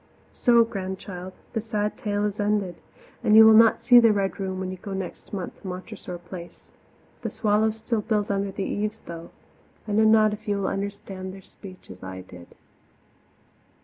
So, Grandchild, the sad tale is ended, and you will not see the Red Room when you go next month to Montressor Place. The swallows still build under the eaves, though I know not if you will understand their speech as I did.